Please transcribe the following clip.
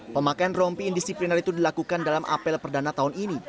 pemakaian rompi indisipliner itu dilakukan dalam apel perdana tahun ini